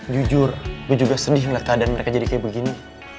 jujur gue juga sedih melihat keadaan mereka jadi kayak begini